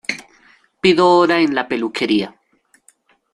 Pido hora en la peluquería.